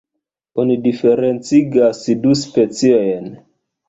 Oni diferencigas du specojn.